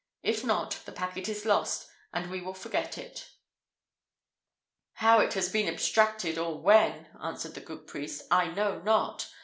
If not, the packet is lost, and we will forget it." "How it has been abstracted, or when," answered the good priest, "I know not.